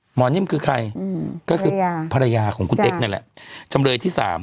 นิ่มคือใครก็คือภรรยาของคุณเอ็กซนี่แหละจำเลยที่๓